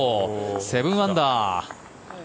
７アンダー。